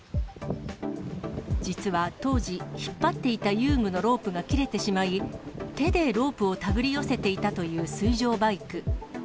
実は当時、引っ張っていた遊具のロープが切れてしまい、手でロープを手繰り寄せていたという水上バイク。